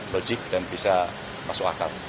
logik dan bisa masuk akal